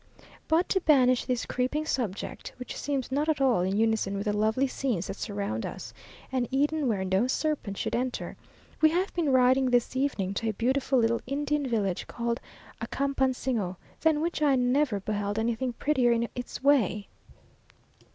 But to banish this creeping subject, which seems not at all in unison with the lovely scenes that surround us an Eden where no serpent should enter we have been riding this evening to a beautiful little Indian village called Acapansingo, than which I never beheld anything prettier in its way.